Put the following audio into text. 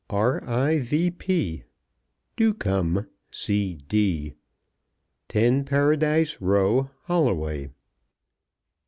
R.I.V.P. (Do come, C. D.) 10, Paradise Row, Holloway.